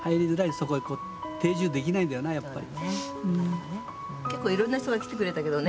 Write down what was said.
そこに定住できないんだよなやっぱり。